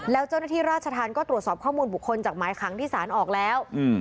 แล้วเจ้าหน้าที่ราชธรรมก็ตรวจสอบข้อมูลบุคคลจากหมายขังที่สารออกแล้ว